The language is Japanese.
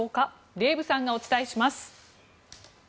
デーブさんがお伝えします。